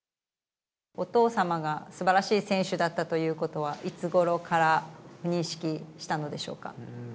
お父様がすばらしい選手だったということは、いつごろから認識したのでしょうか。